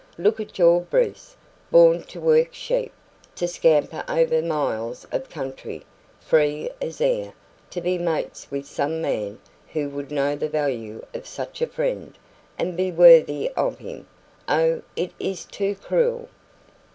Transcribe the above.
Look at your Bruce, born to work sheep, to scamper over miles of country, free as air, to be mates with some man who would know the value of such a friend, and be worthy of him. Oh, it is too cruel!"